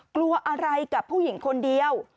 กลัวอะไรกับผู้หญิงคนเดียว